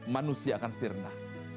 manusia akan sirna